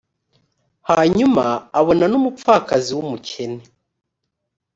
hanyuma abona n umupfakazi w umukene